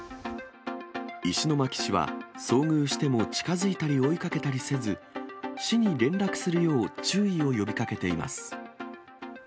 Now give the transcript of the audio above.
石巻市は、遭遇しても近づいたり追いかけたりせず、市に連絡するよう注意を呼びかけています。